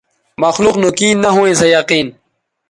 مخلوق نو کیں نہ ھویں سو یقین